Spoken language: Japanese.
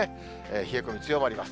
冷え込み強まります。